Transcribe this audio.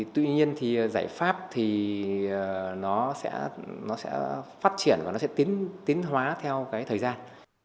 tuy nhiên giải pháp sẽ phát triển và tiến hóa theo thời gian